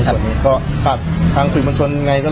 ส่วนตัวของที่จะพบว่าเราก็ได้รอนิยมของที่เรา